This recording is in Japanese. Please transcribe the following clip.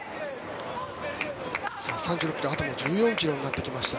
あと１４ｋｍになってきました。